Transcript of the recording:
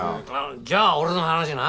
じゃあ俺の話な。